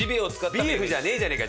ビーフじゃねえじゃねえか！